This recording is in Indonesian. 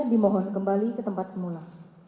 dimohon kembali ke tempat semula